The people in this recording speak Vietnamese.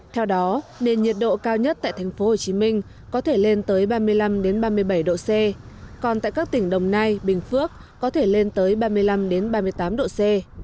theo đó nền nhiệt độ cao nhất tại tp hcm có thể lên tới ba mươi năm ba mươi bảy độ c còn tại các tỉnh đồng nai bình phước có thể lên tới ba mươi năm ba mươi tám độ c